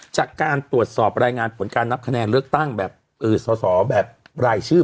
จากการตรวจสอบรายงานผลการนับคะแนนเลือกตั้งแบบสอสอแบบรายชื่อ